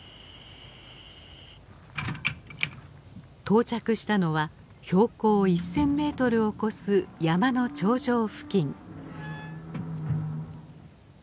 到着したのは標高１，０００ｍを超す山の頂上付近。